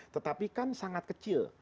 tetapi kan sangat kecil